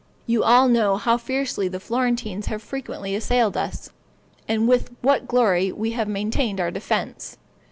You all know how fiercely the Florentines have frequently assailed us, and with what glory we have maintained our defense.